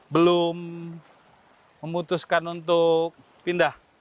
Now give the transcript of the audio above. belum memutuskan untuk pindah